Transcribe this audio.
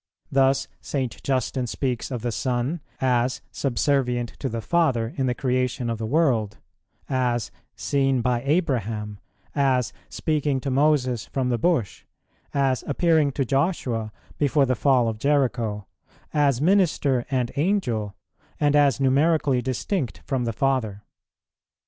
Thus St. Justin speaks of the Son as subservient to the Father in the creation of the world, as seen by Abraham, as speaking to Moses from the bush, as appearing to Joshua before the fall of Jericho,[135:1] as Minister and Angel, and as numerically distinct from the Father.